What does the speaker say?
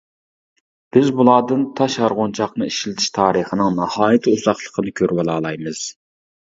بىز بۇلاردىن تاش يارغۇنچاقنى ئىشلىتىش تارىخىنىڭ ناھايىتى ئۇزاقلىقىنى كۆرۈۋالالايمىز.